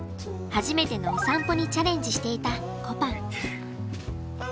初めてのお散歩にチャレンジしていたこぱん。